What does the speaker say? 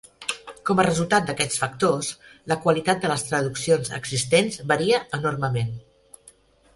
Com a resultat d'aquests factors, la qualitat de les traduccions existents varia enormement.